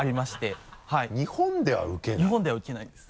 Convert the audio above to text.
日本ではウケないです。